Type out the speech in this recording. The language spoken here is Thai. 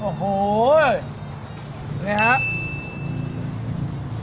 โอ้โหนี่ครับ